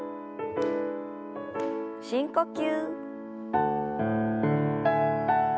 深呼吸。